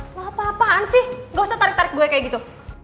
nggak apa apaan sih gak usah tarik tarik gue kayak gitu